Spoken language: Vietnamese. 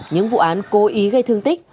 những vụ án cố ý gây thương tích